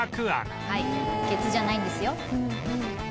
はい「けつ」じゃないんですよ。